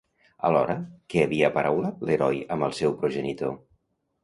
Alhora, què havia aparaulat l'heroi amb el seu progenitor?